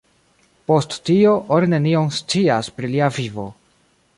Post tio, oni nenion scias pri lia vivo.